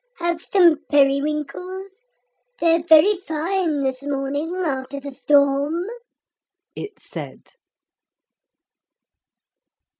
Have some periwinkles? They're very fine this morning after the storm,' it said.